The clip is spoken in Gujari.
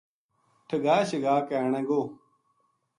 ٹھگا شگا کے آنے گو‘‘